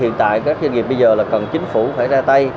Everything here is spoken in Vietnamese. hiện tại các doanh nghiệp bây giờ là cần chính phủ phải ra tay